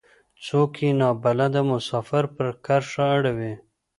څوک يې نا بلده مسافر پر کرښه اړوي.